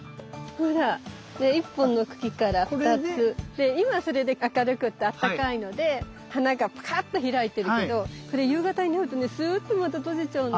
で今それで明るくってあったかいので花がパカっと開いてるけどこれ夕方になるとねスゥッとまた閉じちゃうの。